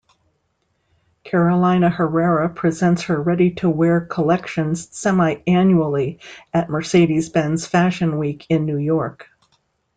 Carolina Herrera presents her Ready-to-Wear Collection semiannually at Mercedes-Benz Fashion Week in New York.